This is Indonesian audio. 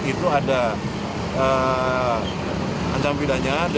itu ada ancam pidanya